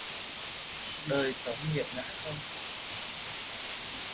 Đời sống nghiệt ngã không